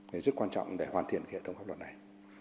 thì rất quan trọng để hoàn thiện hệ thống pháp luật này